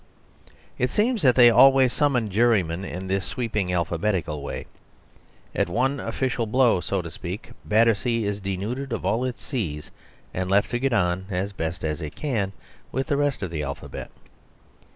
It seems that they always summon jurymen in this sweeping alphabetical way. At one official blow, so to speak, Battersea is denuded of all its C's, and left to get on as best it can with the rest of the alphabet.